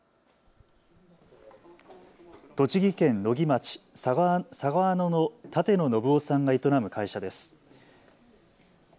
栃木県野木町佐川野の舘野信男さんが営む会社です。